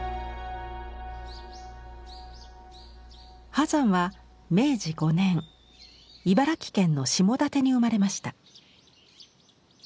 波山は明治５年茨城県の下館に生まれました。